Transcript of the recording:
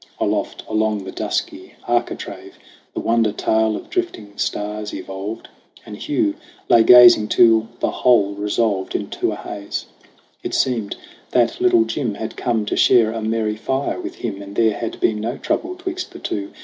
Aloft along the dusky architrave The wander tale of drifting stars evolved ; And Hugh lay gazing till the whole resolved Into a haze. It seemed that Little Jim Had come to share a merry fire with him, And there had been no trouble 'twixt the two.